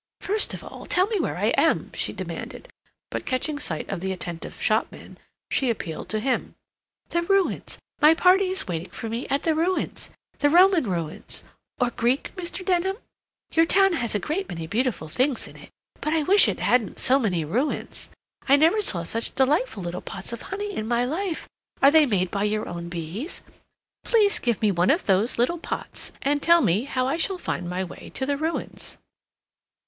"First of all, tell me where I am," she demanded, but, catching sight of the attentive shopman, she appealed to him. "The ruins—my party is waiting for me at the ruins. The Roman ruins—or Greek, Mr. Denham? Your town has a great many beautiful things in it, but I wish it hadn't so many ruins. I never saw such delightful little pots of honey in my life—are they made by your own bees? Please give me one of those little pots, and tell me how I shall find my way to the ruins."